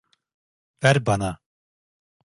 Ver bana.